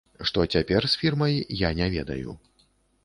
Што цяпер з фірмай, я не ведаю.